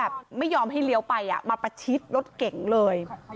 ไม่ยอมให้เลี้ยวไปมาประชิดรถเก่งเลย